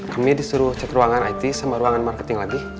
kami disuruh cek ruangan it sama ruangan marketing lagi